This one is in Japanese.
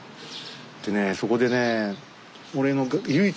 でねそこでね